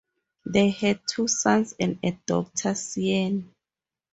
They had two sons and a daughter, Sian.